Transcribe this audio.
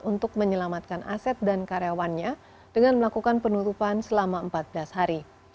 untuk menyelamatkan aset dan karyawannya dengan melakukan penutupan selama empat belas hari